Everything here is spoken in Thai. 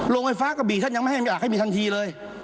โรงไฟฟ้ากระบี่ท่านยังไม่ให้อยากให้มีทันทีเลย